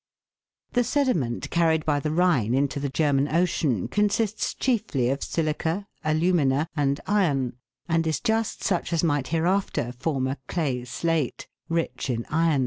(Fig. 23.) The sediment carried by the Rhine into the German Ocean consists chiefly of silica, alumina, and iron, and is just such as might hereafter form a clay slate, rich in iron.